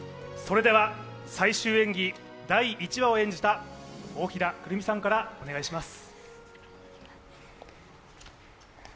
最終演技、第１話を演じた大平くるみさんからお願いします。